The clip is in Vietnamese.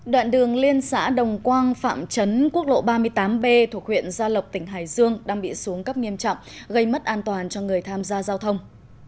đoạn đường liên xã đồng quang phạm trấn quốc lộ ba mươi tám b thuộc huyện gia lộc tỉnh hải dương đang bị xuống cấp nghiêm trọng gây mất an toàn cho người tham gia giao thông